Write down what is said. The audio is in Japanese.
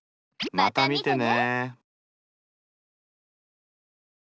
また見てね！